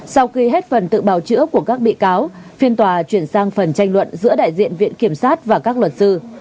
sau khi hết phần tự bào chữa của các bị cáo phiên tòa chuyển sang phần tranh luận giữa đại diện viện kiểm sát và các luật sư